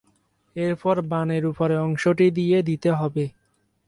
এরপর বান এর উপরের অংশটি দিয়ে দিতে হবে।